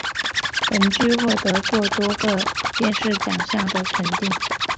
本剧获得过多个电视奖项的肯定。